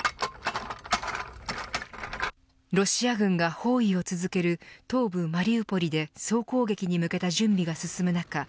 ロシア軍が包囲を続ける東部マリウポリで総攻撃に向けた準備が進む中